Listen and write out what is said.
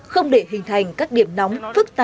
không để hình thành các điểm nóng